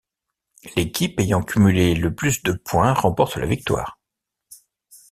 L'équipe ayant cumulé le plus de points remporte la victoire.